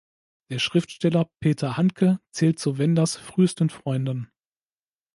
Der Schriftsteller Peter Handke zählt zu Wenders’ frühesten Freunden.